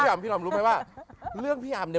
พี่อำรู้ไหมว่าเรื่องพี่อำ